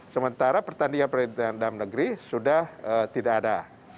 sementara pertandingan pertandingan dalam negeri sudah tidak ada